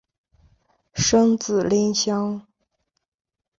生子令香。